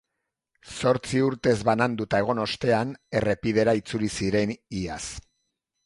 Zortzi urtez bananduta egon ostean, errepidera itzuli ziren iaz.